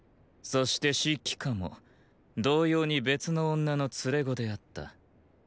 そして紫季歌も同様に別の女の“連れ子”であった。